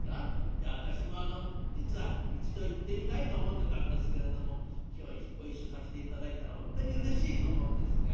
じゃあ私もあの実は一度行ってみたいと思ってたんですけれども今日ご一緒させて頂いたら本当にうれしいと思うんですが」。